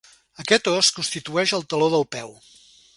Aquest os constitueix el taló del peu.